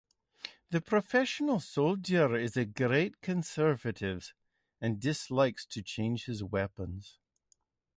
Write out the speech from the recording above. The professional soldier is a great conservative and dislikes to change his weapons.